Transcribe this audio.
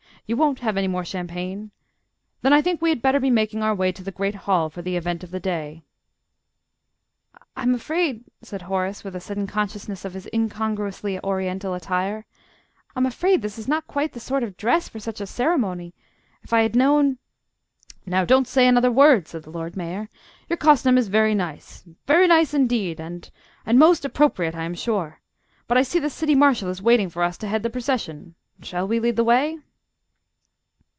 You won't have any more champagne? Then I think we had better be making our way to the Great Hall for the Event of the Day." "I'm afraid," said Horace, with a sudden consciousness of his incongruously Oriental attire "I'm afraid this is not quite the sort of dress for such a ceremony. If I had known " "Now, don't say another word!" said the Lord Mayor. "Your costume is very nice very nice indeed, and and most appropriate, I am sure. But I see the City Marshal is waiting for us to head the procession. Shall we lead the way?"